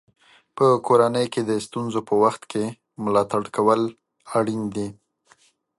په کورنۍ کې د ستونزو په وخت کې ملاتړ کول اړین دي.